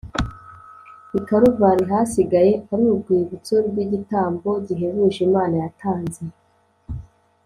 Ikaruvari hasigaye ar’urwibutso rw’igitambo gihebuje Imana yatanze